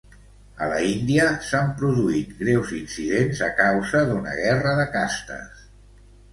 A la Índia s'han produït greus incidents a causa d'una guerra de castes.